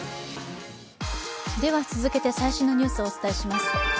続けて最新のニュースをお伝えします。